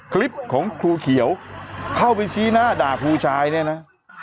คลิปของครูเขียวเข้าไปชี้หน้าด่าครูชายเนี่ยนะ